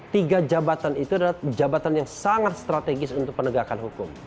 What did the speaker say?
tiga jabatan itu adalah jabatan yang sangat strategis untuk penegakan hukum